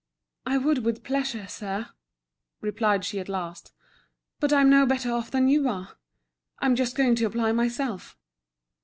"I would with pleasure, sir," replied she at last, "But I'm no better off than you are; I'm just going to apply myself."